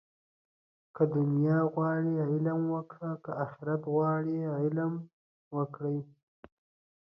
که دنیا غواړې، علم وکړه. که آخرت غواړې علم وکړه